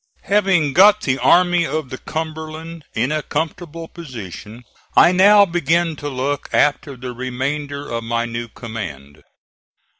Having got the Army of the Cumberland in a comfortable position, I now began to look after the remainder of my new command.